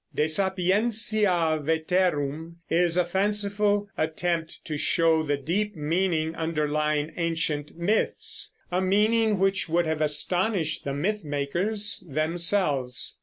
De Sapientia Veterum is a fanciful attempt to show the deep meaning underlying ancient myths, a meaning which would have astonished the myth makers themselves.